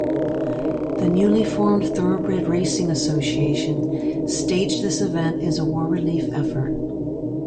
The newly formed Thoroughbred Racing Association staged this event as a war-relief effort.